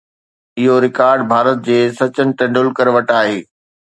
اهو رڪارڊ ڀارت جي سچن ٽنڊولڪر وٽ آهي